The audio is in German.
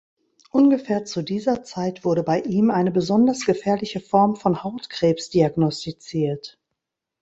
Ungefähr zu dieser Zeit wurde bei ihm eine besonders gefährliche Form von Hautkrebs diagnostiziert.